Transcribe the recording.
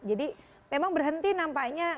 jadi memang berhenti nampaknya